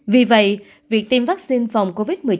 vì vậy việc tiêm vaccine phòng covid một mươi chín